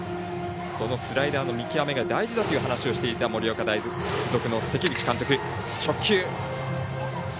そのスライダーの見極めが大事だという話をしていた盛岡大付属の関口監督。